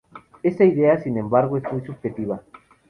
Esta idea, sin embargo, es muy subjetiva.